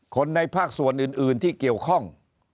ในภาคส่วนอื่นที่เกี่ยวข้อง